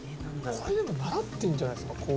これでも習ってるんじゃないですか？